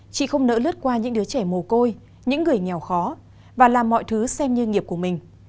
chị không nỡ lướt qua những đứa trẻ mồ côi những người nghèo khó và làm mọi thứ xem như nghiệp của mình